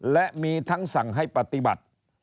และมีทั้งสั่งให้ปฏิบัติ